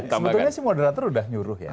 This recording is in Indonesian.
sebetulnya sih moderator udah nyuruh ya